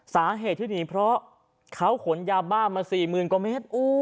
สาเหตุที่หนีเพราะเขาขนยาบ้ามา๔๐๐๐กว่าเมตร